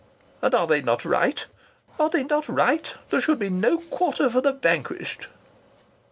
And are they not right? Are they not right? There should be no quarter for the vanquished."